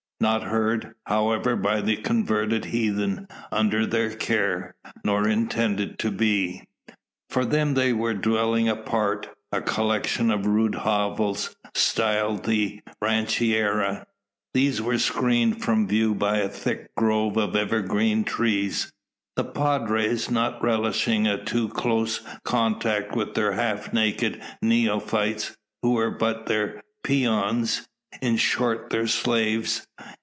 Not heard, however, by the converted heathen under their care; nor intended to be. For them there were dwellings apart; a collection of rude hovels, styled the rancheria. These were screened from view by a thick grove of evergreen trees; the padres not relishing a too close contact with their half naked neophytes, who were but their peons in short their slaves.